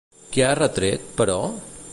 Què ha retret, però?